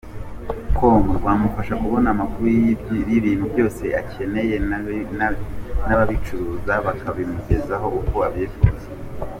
com rwamufasha kubona amakuru y’ibintu byose akeneye n’ababicuruza bakabimugezaho uko yabisabye.